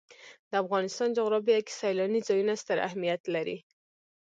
د افغانستان جغرافیه کې سیلاني ځایونه ستر اهمیت لري.